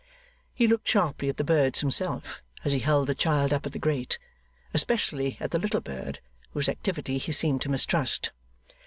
He looked sharply at the birds himself, as he held the child up at the grate, especially at the little bird, whose activity he seemed to mistrust.